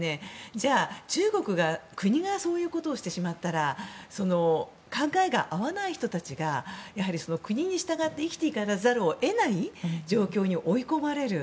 じゃあ中国が、国がそういうことをしてしまったら考えが合わない人たちが国に従って生きていかざるを得ない状況に追い込まれる。